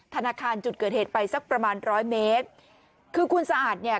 ธนาคารจุดเกิดเหตุไปสักประมาณร้อยเมตรคือคุณสะอาดเนี่ย